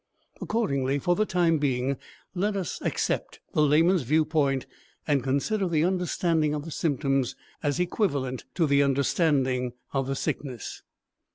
Accordingly, for the time being, let us accept the layman's viewpoint and consider the understanding of the symptoms as equivalent to the understanding of the sickness.